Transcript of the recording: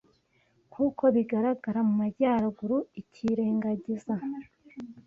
nkuko bigaragara mumajyaruguru ikirengagiza